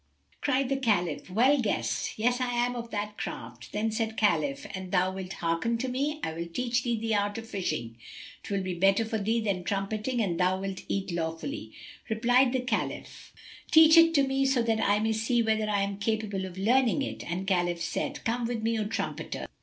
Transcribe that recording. Cried the Caliph, "Well guessed! Yes, I am of that craft." Then said Khalif, "An thou wilt hearken to me, I will teach thee the art of fishing: 'twill be better for thee than trumpeting and thou wilt eat lawfully[FN#282]." Replied the Caliph, "Teach it me so that I may see whether I am capable of learning it." And Khalif said, "Come with me, O trumpeter."